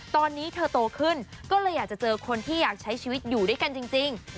ตอนนี้เธอโตขึ้นก็เลยอยากจะเจอคนที่อยากใช้ชีวิตอยู่ด้วยกันจริง